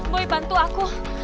boy bantu aku